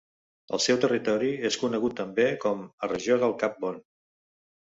El seu territori és conegut també com a regió del Cap Bon.